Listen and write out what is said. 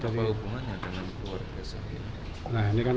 apa hubungannya dengan keluarga